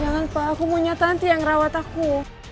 jangan pa aku mau nyata nanti yang ngerawat aku